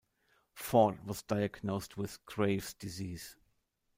Ford was diagnosed with Graves' disease.